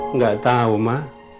enggak tahu ma